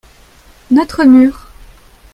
notre mur.